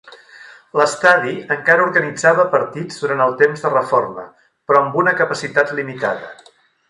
L'estadi encara organitzava partits durant el temps de reforma, però amb una capacitat limitada.